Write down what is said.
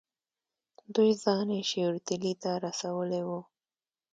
دوی ځان یې شیورتیلي ته رسولی وو.